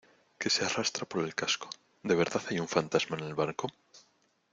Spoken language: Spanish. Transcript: que se arrastra por el casco. ¿ de verdad hay un fantasma en el barco?